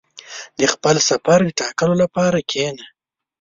• د خپل سفر د ټاکلو لپاره کښېنه.